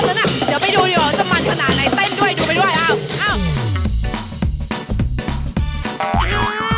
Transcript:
แล้วอยู่ข้างหลังสิอุ้ยยยยยยยยยยยยยยยยยยย